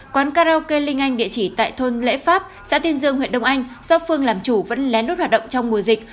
quán karaoke linh anh địa chỉ tại thôn lễ pháp xã tiên dương huyện đông anh do phương làm chủ vẫn lén lút hoạt động trong mùa dịch